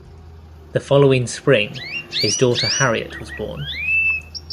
The following spring his daughter Harriet was born.